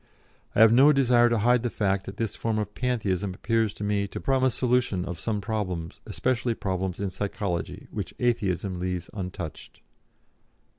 I have no desire to hide the fact that this form of Pantheism appears to me to promise solution of some problems, especially problems in psychology, which Atheism leaves untouched.